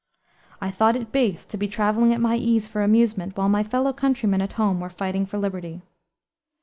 "I thought it base to be traveling at my ease for amusement, while my fellow countrymen at home were fighting for liberty."